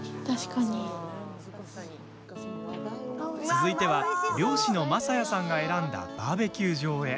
続いては、漁師の匡哉さんが選んだバーベキュー場へ。